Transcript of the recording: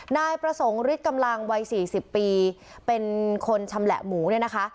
นายประสงค์ฤทธิ์กำลังวัยสี่สิบปีเป็นคนชำแหละหมูเนี่ยนะคะ